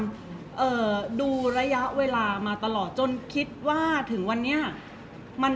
เพราะว่าสิ่งเหล่านี้มันเป็นสิ่งที่ไม่มีพยาน